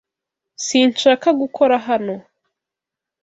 Sinshaka gukora hano.